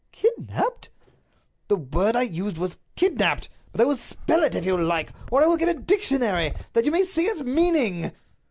"Kidnaped?" "The word I used was 'kidnaped.' But I will spell it if you like. Or I will get a dictionary, that you may see its meaning."